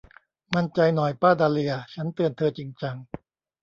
มั่นใจหน่อยป้าดาห์เลีย ฉันเตือนเธอจริงจัง